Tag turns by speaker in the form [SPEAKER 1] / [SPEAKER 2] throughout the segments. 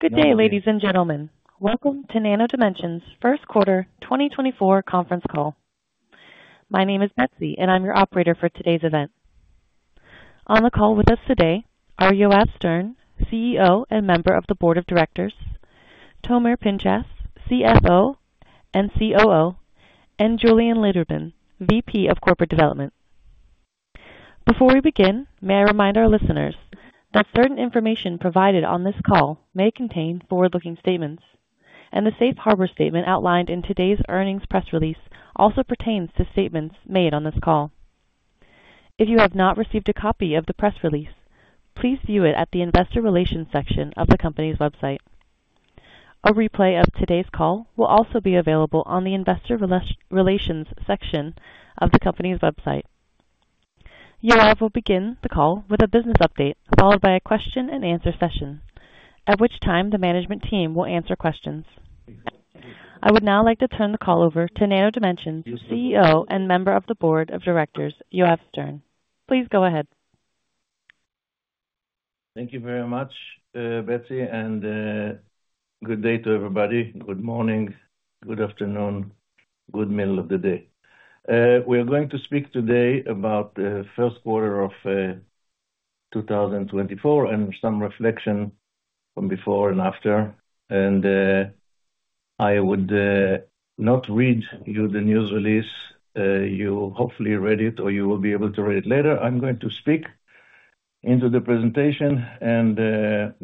[SPEAKER 1] Good day, ladies and gentlemen. Welcome to Nano Dimension's first quarter 2024 conference call. My name is Betsy, and I'm your operator for today's event. On the call with us today are Yoav Stern, CEO and member of the board of directors, Tomer Pinchas, CFO and COO, and Julien Lederman, VP of Corporate Development. Before we begin, may I remind our listeners that certain information provided on this call may contain forward-looking statements, and the safe harbor statement outlined in today's earnings press release also pertains to statements made on this call. If you have not received a copy of the press release, please view it at the investor relations section of the company's website. A replay of today's call will also be available on the investor relations section of the company's website. Yoav will begin the call with a business update, followed by a question and answer session, at which time the management team will answer questions. I would now like to turn the call over to Nano Dimension's CEO and member of the board of directors, Yoav Stern. Please go ahead.
[SPEAKER 2] Thank you very much, Betsy, and good day to everybody. Good morning, good afternoon, good middle of the day. We are going to speak today about the first quarter of 2024, and some reflection from before and after. I would not read you the news release. You hopefully read it, or you will be able to read it later. I'm going to speak into the presentation and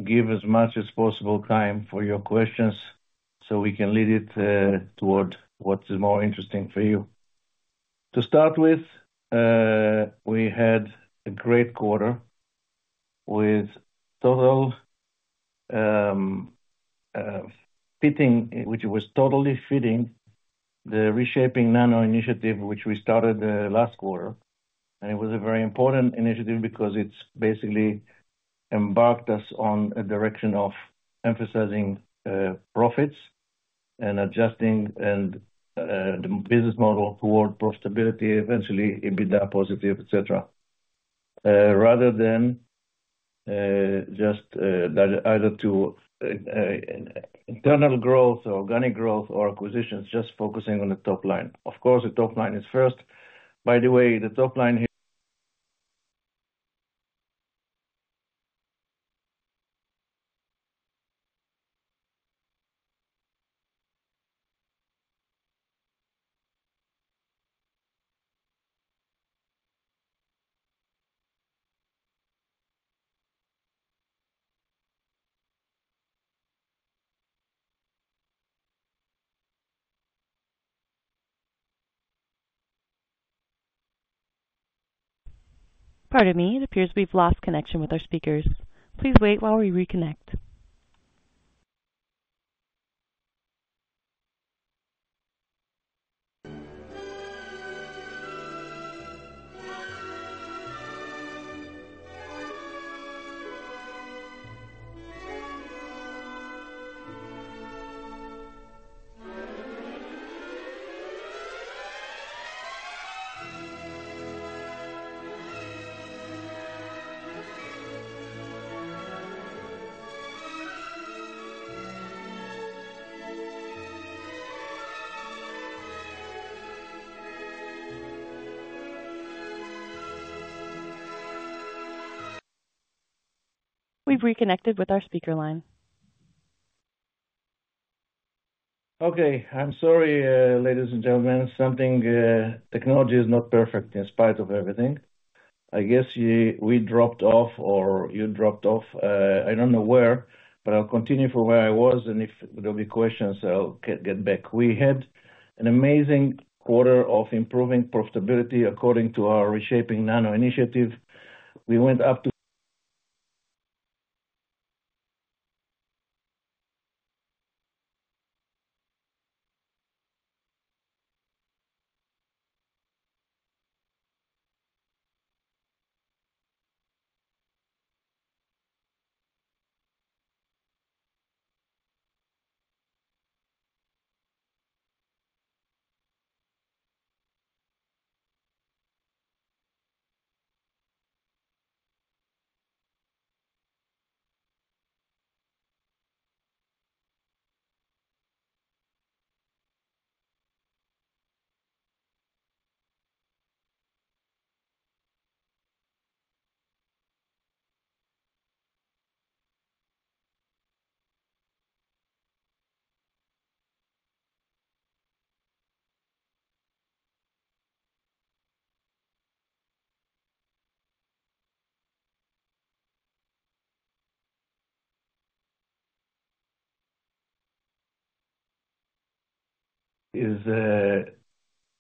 [SPEAKER 2] give as much as possible time for your questions so we can lead it toward what is more interesting for you. To start with, we had a great quarter with total fitting, which was totally fitting the Reshaping Nano initiative, which we started last quarter. It was a very important initiative because it's basically embarked us on a direction of emphasizing, profits and adjusting and, the business model toward profitability, eventually, EBITDA positive, et cetera. Rather than, just, either to, internal growth or organic growth or acquisitions, just focusing on the top line. Of course, the top line is first. By the way, the top line here-
[SPEAKER 1] Pardon me, it appears we've lost connection with our speakers. Please wait while we reconnect. We've reconnected with our speaker line.
[SPEAKER 2] Okay. I'm sorry, ladies and gentlemen. Something, technology is not perfect in spite of everything. I guess you, we dropped off or you dropped off, I don't know where, but I'll continue from where I was, and if there'll be questions, I'll get back. We had an amazing quarter of improving profitability according to our Reshaping Nano initiative. We went up to... Is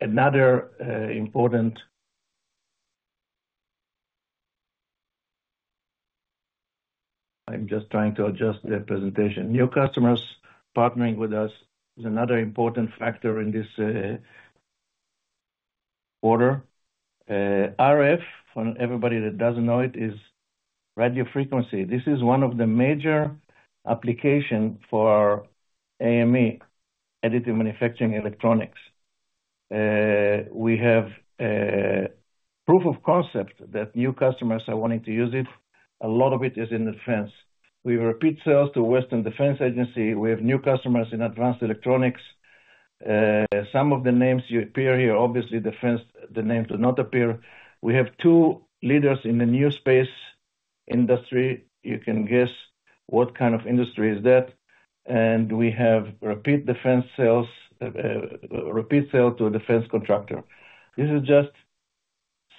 [SPEAKER 2] another important... I'm just trying to adjust the presentation. New customers partnering with us is another important factor in this quarter. RF, for everybody that doesn't know it, is radio frequency. This is one of the major application for AME, Additively Manufactured Electronics... We have proof of concept that new customers are wanting to use it. A lot of it is in defense. We have repeat sales to Western Defense Agency. We have new customers in advanced electronics. Some of the names you appear here, obviously, defense, the name do not appear. We have two leaders in the New Space industry. You can guess what kind of industry is that. And we have repeat defense sales, repeat sale to a defense contractor. This is just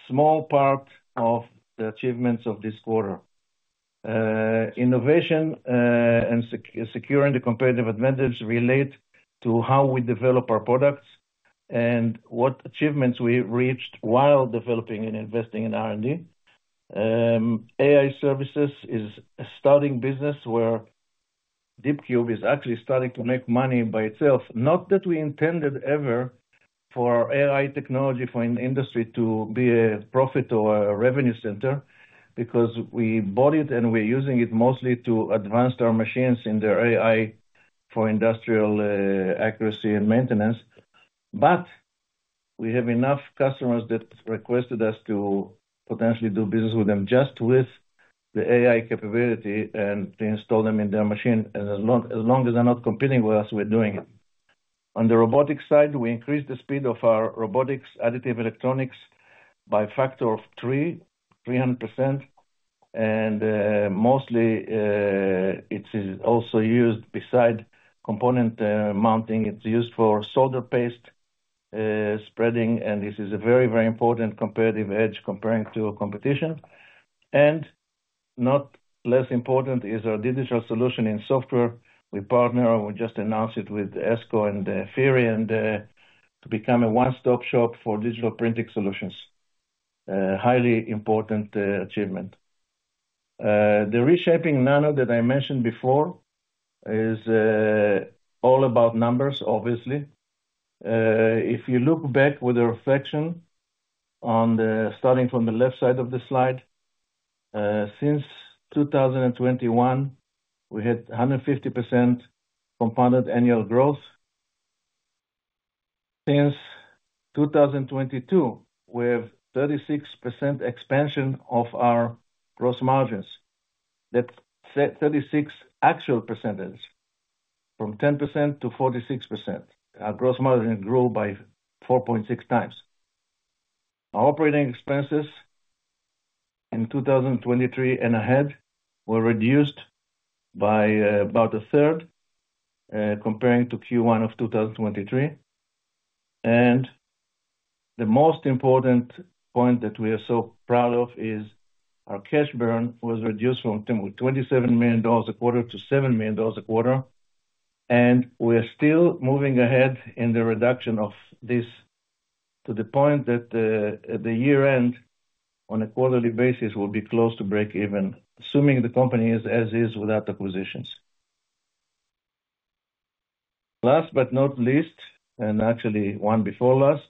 [SPEAKER 2] small part of the achievements of this quarter. Innovation, and securing the competitive advantage relate to how we develop our products and what achievements we reached while developing and investing in R&D. AI services is a starting business where DeepCube is actually starting to make money by itself. Not that we intended ever for our AI technology for an industry to be a profit or a revenue center, because we bought it, and we're using it mostly to advance our machines in their AI for industrial accuracy and maintenance. But we have enough customers that requested us to potentially do business with them, just with the AI capability and to install them in their machine, and as long as they're not competing with us, we're doing it. On the robotics side, we increased the speed of our robotics additive electronics by a factor of 3, 300%. And mostly, it is also used beside component mounting. It's used for solder paste spreading, and this is a very, very important competitive edge comparing to a competition. And not less important is our digital solution in software. We partner, and we just announced it with Esko and Fiery, and to become a one-stop shop for digital printing solutions. Highly important achievement. The Reshaping Nano that I mentioned before is all about numbers, obviously. If you look back with a reflection on the, starting from the left side of the slide, since 2021, we had 150% compounded annual growth. Since 2022, we have 36% expansion of our gross margins. That's thirty-six actual percentage, from 10%-46%. Our gross margin grew by 4.6 times. Our operating expenses in 2023 and ahead were reduced by about a third, comparing to Q1 of 2023. The most important point that we are so proud of is our cash burn was reduced from $27 million a quarter to $7 million a quarter, and we're still moving ahead in the reduction of this to the point that, at the year end, on a quarterly basis, will be close to breakeven, assuming the company is as is without acquisitions. Last but not least, and actually one before last,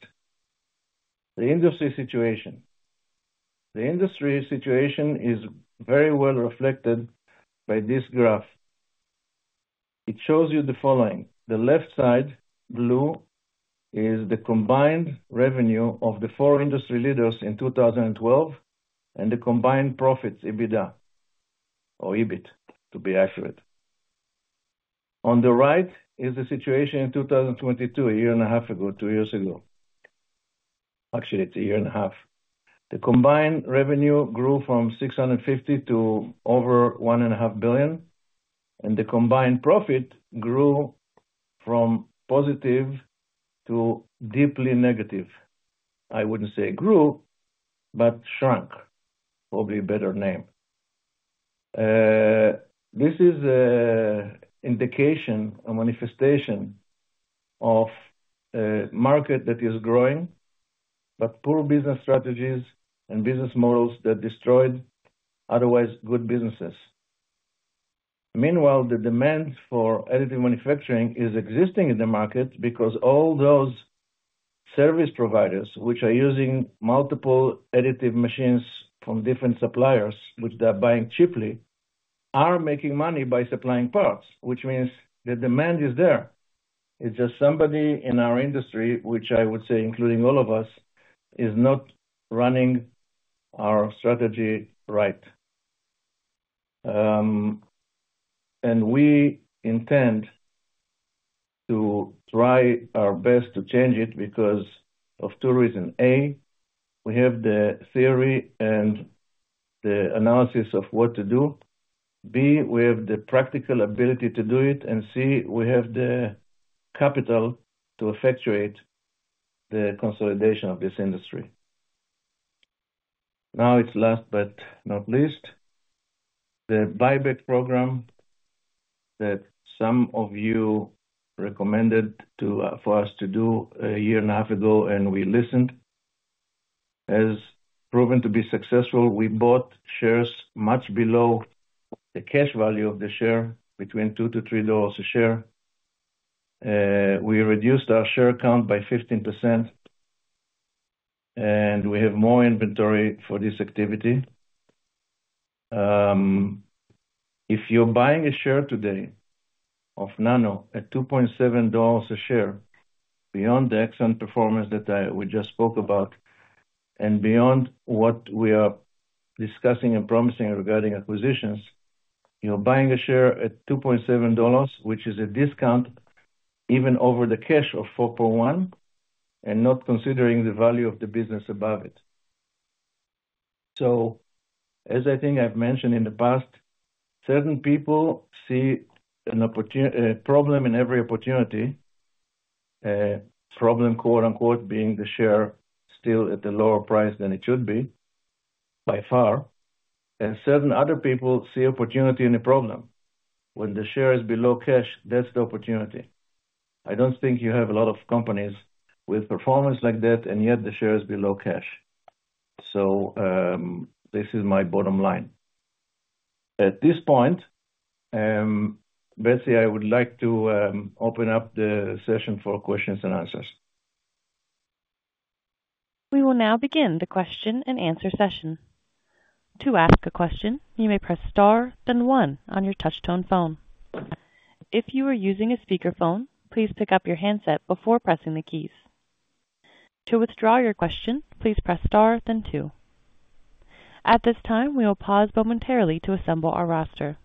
[SPEAKER 2] the industry situation. The industry situation is very well reflected by this graph. It shows you the following: the left side, blue, is the combined revenue of the 4 industry leaders in 2012, and the combined profits, EBITDA or EBIT, to be accurate. On the right is the situation in 2022, a year and a half ago, two years ago. Actually, it's a year and a half. The combined revenue grew from $650 to over $1.5 billion, and the combined profit grew from positive to deeply negative. I wouldn't say grew, but shrunk, probably a better name. This is an indication, a manifestation of a market that is growing, but poor business strategies and business models that destroyed otherwise good businesses. Meanwhile, the demand for additive manufacturing is existing in the market because all those service providers, which are using multiple additive machines from different suppliers, which they are buying cheaply, are making money by supplying parts, which means the demand is there. It's just somebody in our industry, which I would say including all of us, is not running our strategy right. and we intend to try our best to change it because of two reason: A, we have the theory and the analysis of what to do, B, we have the practical ability to do it, and C, we have the capital to effectuate the consolidation of this industry. Now, it's last but not least, the buyback program that some of you recommended to, for us to do a year and a half ago, and we listened, has proven to be successful. We bought shares much below the cash value of the share, between $2-$3 a share. We reduced our share count by 15%. And we have more inventory for this activity. If you're buying a share today of Nano at $2.7 a share, beyond the excellent performance that I, we just spoke about, and beyond what we are discussing and promising regarding acquisitions, you're buying a share at $2.7, which is a discount even over the cash of $4.1, and not considering the value of the business above it. So as I think I've mentioned in the past, certain people see an opportunity- a problem in every opportunity, problem, quote, unquote, "being the share still at the lower price than it should be, by far," and certain other people see opportunity in a problem. When the share is below cash, that's the opportunity. I don't think you have a lot of companies with performance like that, and yet the share is below cash. So, this is my bottom line. At this point, basically, I would like to open up the session for questions and answers.
[SPEAKER 1] We will now begin the question and answer session. To ask a question, you may press Star, then one on your touch tone phone. If you are using a speakerphone, please pick up your handset before pressing the keys. To withdraw your question, please press Star, then two. At this time, we will pause momentarily to assemble our roster.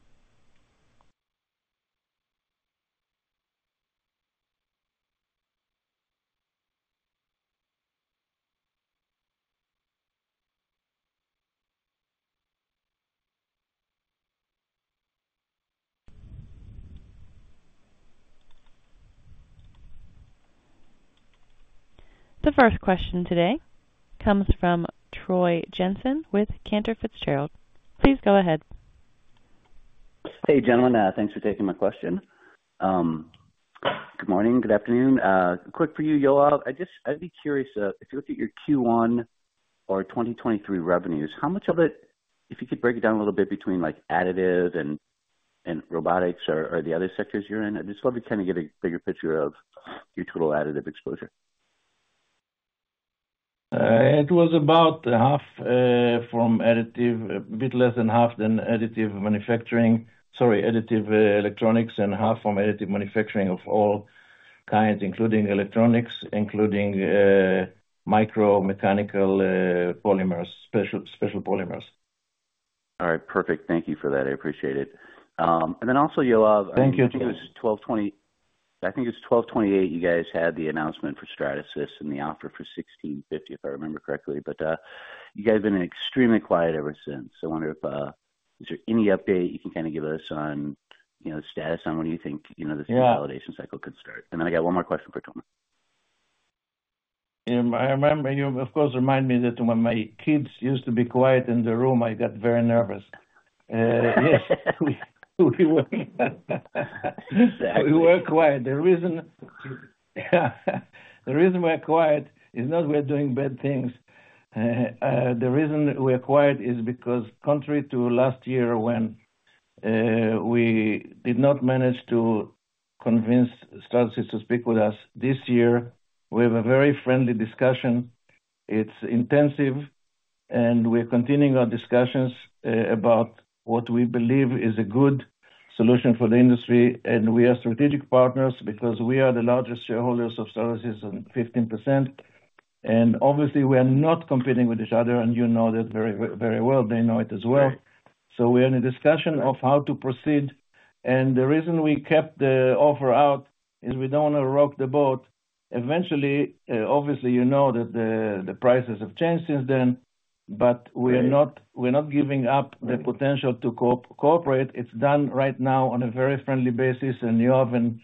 [SPEAKER 1] The first question today comes from Troy Jensen with Cantor Fitzgerald. Please go ahead.
[SPEAKER 3] Hey, gentlemen, thanks for taking my question. Good morning. Good afternoon. Quick for you, Yoav. I just-I'd be curious if you look at your Q1 or 2023 revenues, how much of it, if you could break it down a little bit between, like, additive and, and robotics or, or the other sectors you're in? I just want to kind of get a bigger picture of your total additive exposure.
[SPEAKER 2] It was about half from additive, a bit less than half from additive manufacturing. Sorry, additive electronics, and half from additive manufacturing of all kinds, including electronics, including micro mechanical polymers, special, special polymers.
[SPEAKER 3] All right, perfect. Thank you for that. I appreciate it. And then also, Yoav-
[SPEAKER 2] Thank you.
[SPEAKER 3] I think it was 12/20... I think it's 12/28, you guys had the announcement for Stratasys and the offer for $16.50, if I remember correctly. But, you guys have been extremely quiet ever since. I wonder if, is there any update you can kind of give us on, you know, status on when you think, you know, this-
[SPEAKER 2] Yeah
[SPEAKER 3] Validation cycle could start? And then I got one more question for Tomer.
[SPEAKER 2] I remember you, of course, remind me that when my kids used to be quiet in the room, I got very nervous. Yes, we were quiet. The reason we're quiet is not we're doing bad things. The reason we're quiet is because contrary to last year, when we did not manage to convince Stratasys to speak with us, this year, we have a very friendly discussion. It's intensive, and we're continuing our discussions about what we believe is a good solution for the industry. And we are strategic partners because we are the largest shareholders of Stratasys and 15%, and obviously we are not competing with each other, and you know that very, very well. They know it as well. We are in a discussion of how to proceed, and the reason we kept the offer out is we don't want to rock the boat. Eventually, obviously, you know, that the prices have changed since then, but we're not giving up the potential to cooperate. It's done right now on a very friendly basis, and Yoav and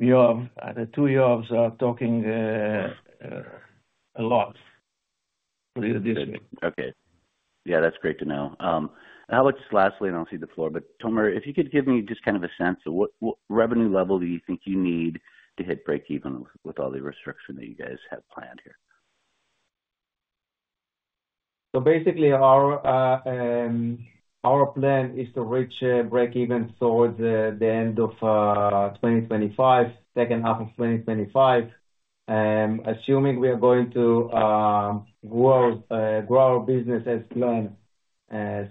[SPEAKER 2] Yoav, the two Yoavs are talking a lot.
[SPEAKER 3] Okay. Yeah, that's great to know. How about just lastly, and I'll cede the floor, but Tomer, if you could give me just kind of a sense of what revenue level do you think you need to hit breakeven with all the restructuring that you guys have planned here?
[SPEAKER 4] So basically, our plan is to reach breakeven towards the end of 2025, second half of 2025. Assuming we are going to grow our business as planned,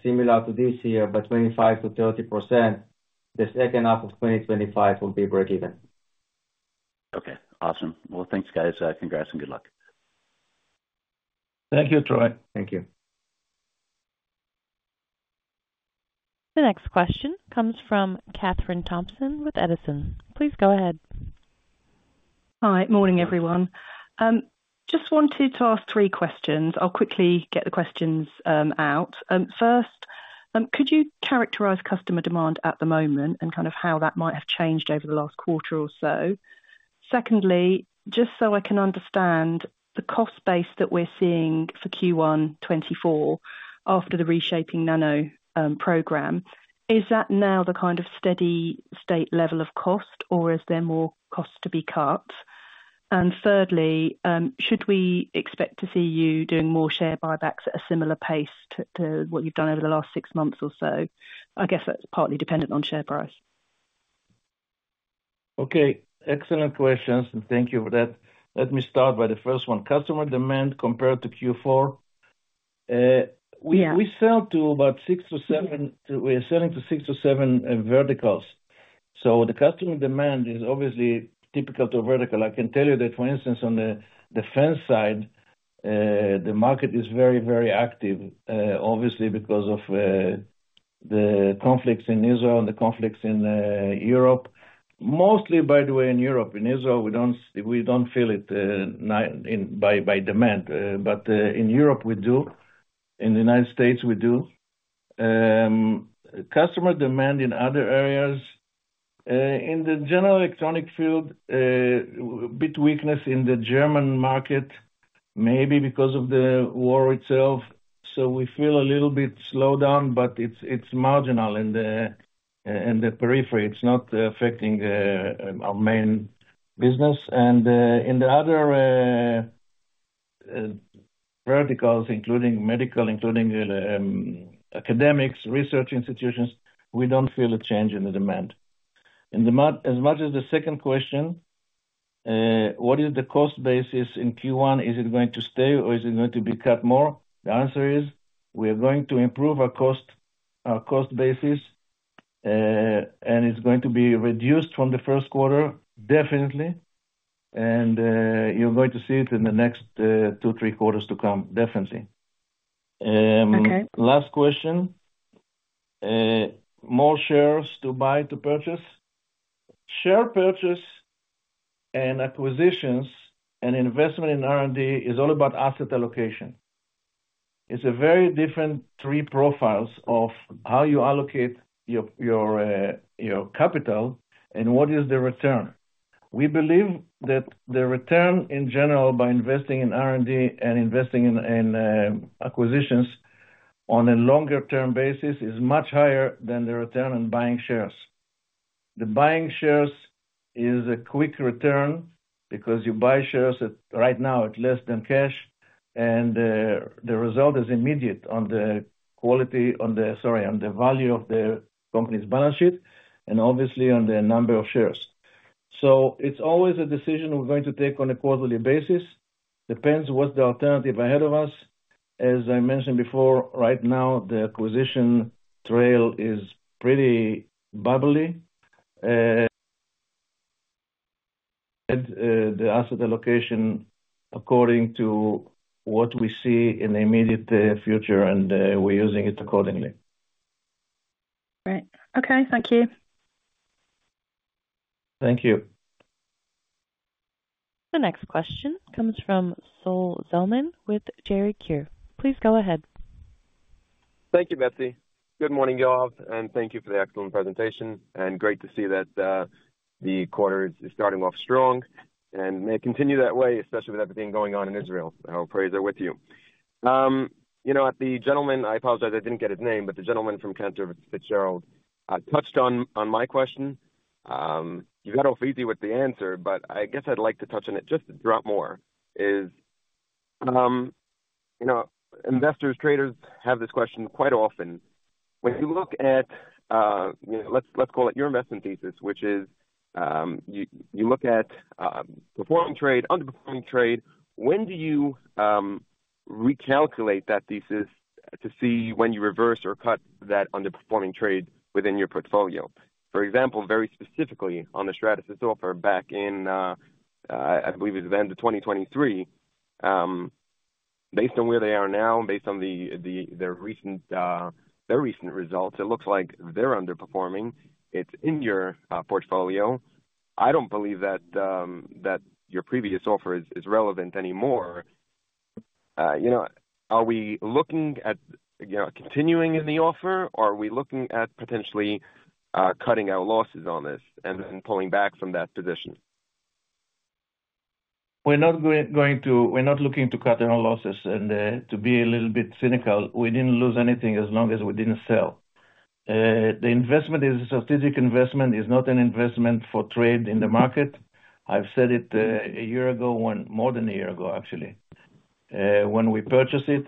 [SPEAKER 4] similar to this year, but 25%-30%, the second half of 2025 will be breakeven.
[SPEAKER 3] Okay, awesome. Well, thanks, guys. Congrats and good luck.
[SPEAKER 2] Thank you, Troy.
[SPEAKER 4] Thank you.
[SPEAKER 1] The next question comes from Katherine Thompson with Edison. Please go ahead.
[SPEAKER 5] Hi. Morning, everyone. Just wanted to ask three questions. I'll quickly get the questions out. First, could you characterize customer demand at the moment and kind of how that might have changed over the last quarter or so? Secondly, just so I can understand the cost base that we're seeing for Q1 2024 after the Reshaping Nano program, is that now the kind of steady state level of cost, or is there more cost to be cut? And thirdly, should we expect to see you doing more share buybacks at a similar pace to what you've done over the last six months or so? I guess that's partly dependent on share price....
[SPEAKER 2] Okay, excellent questions, and thank you for that. Let me start by the first one. Customer demand compared to Q4. We sell to about 6-7—we are selling to 6 or 7 verticals. So the customer demand is obviously typical to a vertical. I can tell you that, for instance, on the defense side, the market is very, very active, obviously, because of the conflicts in Israel and the conflicts in Europe. Mostly, by the way, in Europe. In Israel, we don't feel it in by demand, but in Europe, we do. In the United States, we do. Customer demand in other areas, in the general electronics field, a bit of weakness in the German market, maybe because of the war itself, so we feel a little bit slowed down, but it's marginal in the periphery. It's not affecting our main business. In the other verticals, including medical, including academic, research institutions, we don't feel a change in the demand. As much as the second question, what is the cost basis in Q1? Is it going to stay, or is it going to be cut more? The answer is: we are going to improve our cost, our cost basis, and it's going to be reduced from the first quarter, definitely, and you're going to see it in the next two, three quarters to come, definitely.
[SPEAKER 5] Okay.
[SPEAKER 2] Last question. More shares to buy, to purchase. Share purchase and acquisitions and investment in R&D is all about asset allocation. It's a very different three profiles of how you allocate your, your, your capital and what is the return. We believe that the return, in general, by investing in R&D and investing in, in, acquisitions on a longer term basis, is much higher than the return on buying shares. The buying shares is a quick return because you buy shares at, right now, at less than cash, and, the result is immediate on the value of the company's balance sheet and obviously on the number of shares. So it's always a decision we're going to take on a quarterly basis. Depends what's the alternative ahead of us. As I mentioned before, right now, the acquisition trail is pretty bubbly, and the asset allocation according to what we see in the immediate future, and we're using it accordingly.
[SPEAKER 5] Right. Okay, thank you.
[SPEAKER 2] Thank you.
[SPEAKER 1] The next question comes from Sol Zelman with Gericare. Please go ahead.
[SPEAKER 6] Thank you, Betsy. Good morning, you all, and thank you for the excellent presentation, and great to see that, the quarter is starting off strong, and may it continue that way, especially with everything going on in Israel. Our prayers are with you. You know, to the gentleman, I apologize, I didn't get his name, but the gentleman from Cantor Fitzgerald touched on my question. You got off easy with the answer, but I guess I'd like to touch on it just a drop more, you know, investors, traders have this question quite often. When you look at, you know, let's call it your investment thesis, which is, you look at performing trade, underperforming trade, when do you recalculate that thesis to see when you reverse or cut that underperforming trade within your portfolio? For example, very specifically, on the Stratasys offer back in, I believe it was the end of 2023, based on where they are now, based on their recent results, it looks like they're underperforming. It's in your portfolio. I don't believe that your previous offer is relevant anymore. You know, are we looking at, you know, continuing in the offer, or are we looking at potentially cutting our losses on this and then pulling back from that position?
[SPEAKER 2] We're not looking to cut our losses, and, to be a little bit cynical, we didn't lose anything as long as we didn't sell. The investment is a strategic investment, is not an investment for trade in the market. I've said it a year ago, when... More than a year ago, actually. When we purchased it,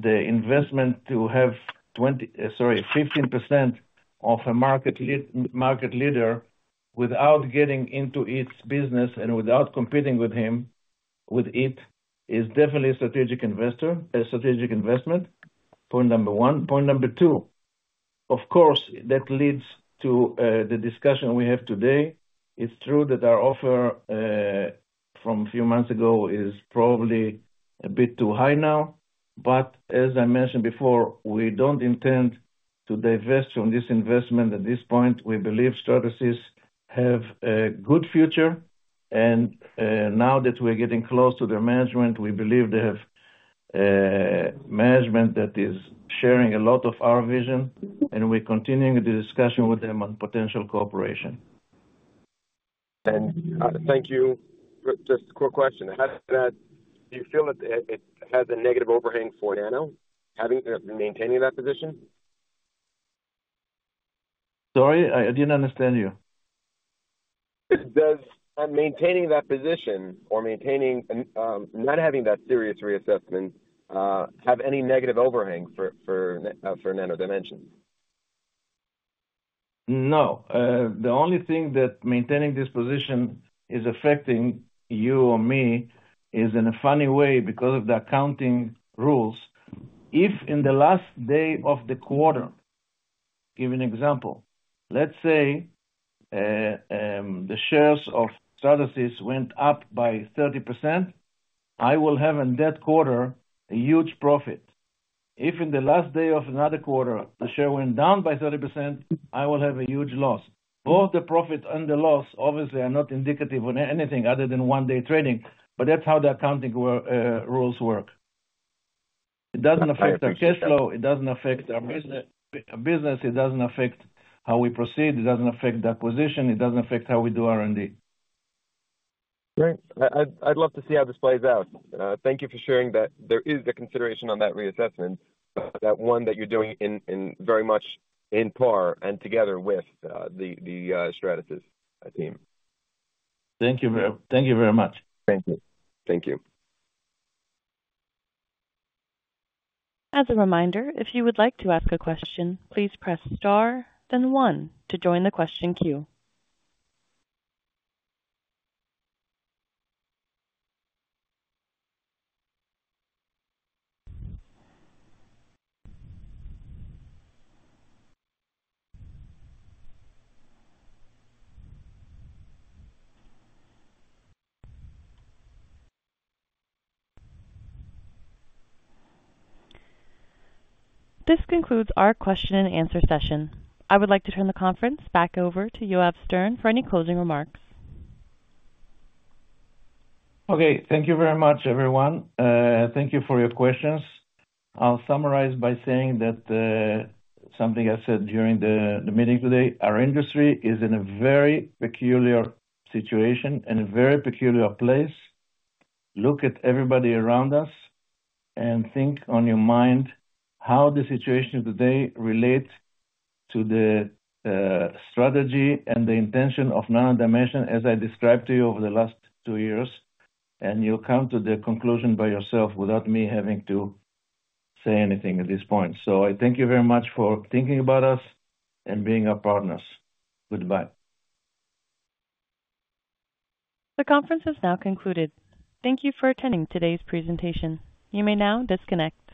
[SPEAKER 2] the investment to have 20, sorry, 15% of a market leader, without getting into its business and without competing with him, with it, is definitely a strategic investor, a strategic investment. Point number one. Point number two, of course, that leads to the discussion we have today. It's true that our offer from a few months ago is probably a bit too high now, but as I mentioned before, we don't intend to divest on this investment at this point. We believe Stratasys have a good future, and now that we're getting close to their management, we believe they have management that is sharing a lot of our vision, and we're continuing the discussion with them on potential cooperation.
[SPEAKER 6] Thank you. Just quick question, do you feel that it, it has a negative overhang for Nano, having maintaining that position?
[SPEAKER 2] Sorry, I didn't understand you.
[SPEAKER 6] Does maintaining that position or maintaining not having that serious reassessment have any negative overhang for Nano Dimension?
[SPEAKER 2] No, the only thing that maintaining this position is affecting you or me is in a funny way, because of the accounting rules. If in the last day of the quarter, give you an example, let's say, the shares of Stratasys went up by 30%, I will have in that quarter, a huge profit. If in the last day of another quarter, the share went down by 30%, I will have a huge loss. Both the profit and the loss, obviously, are not indicative on anything other than one-day trading, but that's how the accounting rules work. It doesn't affect our cash flow, it doesn't affect our business, it doesn't affect how we proceed, it doesn't affect the acquisition, it doesn't affect how we do R&D.
[SPEAKER 6] Great. I, I'd love to see how this plays out. Thank you for sharing that. There is a consideration on that reassessment, that one that you're doing in very much in par and together with the Stratasys team.
[SPEAKER 2] Thank you very much.
[SPEAKER 6] Thank you.
[SPEAKER 2] Thank you.
[SPEAKER 1] As a reminder, if you would like to ask a question, please press star, then one to join the question queue. This concludes our question and answer session. I would like to turn the conference back over to Yoav Stern for any closing remarks.
[SPEAKER 2] Okay, thank you very much, everyone. Thank you for your questions. I'll summarize by saying that, something I said during the meeting today, our industry is in a very peculiar situation and a very peculiar place. Look at everybody around us and think on your mind how the situation today relates to the strategy and the intention of Nano Dimension, as I described to you over the last two years, and you'll come to the conclusion by yourself without me having to say anything at this point. So I thank you very much for thinking about us and being our partners. Goodbye.
[SPEAKER 1] The conference is now concluded. Thank you for attending today's presentation. You may now disconnect.